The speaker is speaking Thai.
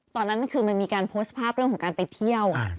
ตอนนั้นคือมันมีการโพสต์ภาพเรื่องของการไปเที่ยว